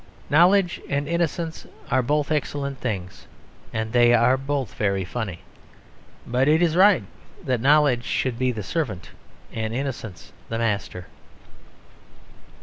Knowledge and innocence are both excellent things, and they are both very funny. But it is right that knowledge should be the servant and innocence the master.